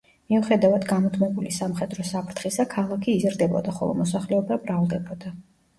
მიუხედავად გამუდმებული სამხედრო საფრთხისა, ქალაქი იზრდებოდა, ხოლო მოსახლეობა მრავლდებოდა.